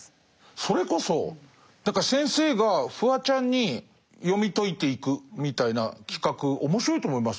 それこそ先生がフワちゃんに読み解いていくみたいな企画面白いと思いますよ。